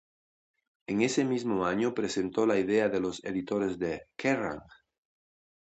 En ese mismo año presentó la idea a los editores de "Kerrang!